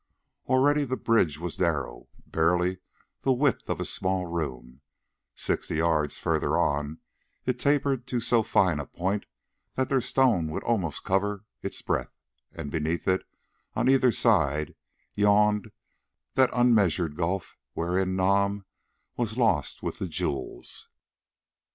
Already the bridge was narrow, barely the width of a small room; sixty yards further on it tapered to so fine a point that their stone would almost cover its breadth, and beneath it on either side yawned that unmeasured gulf wherein Nam was lost with the jewels.